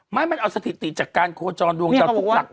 ไม่มันเอาสถิติจากการโคจรดวงจากตักนี้หมดเลย